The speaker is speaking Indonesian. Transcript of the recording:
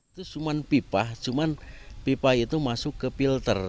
itu cuma pipa cuma pipa itu masuk ke filter